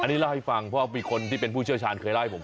อันนี้เล่าให้ฟังเพราะมีคนที่เป็นผู้เชี่ยวชาญเคยเล่าให้ผม